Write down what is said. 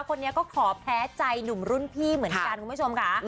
คนนี้ก็ขอแพ้ใจหนุ่มรุ่นพี่เหมือนกันคุณผู้ชมค่ะ